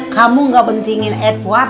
kamu gak pentingin edward